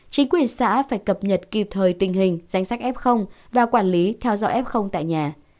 chính quyền xã phải cập nhật kịp thời tình hình danh sách ép không và quản lý theo dõi ép không tại nhà